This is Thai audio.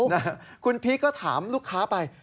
นะฮะคุณพีชก็ถามลูกค้าไป